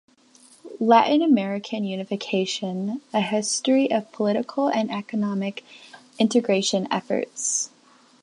Latin American Unification: A History of Political and Economic Integration Efforts.